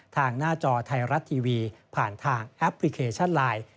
ทางหน้าจอไทยรัฐทีวีผ่านทางแอปพลิเคชันไลน์